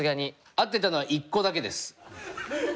合ってたのは１個だけです。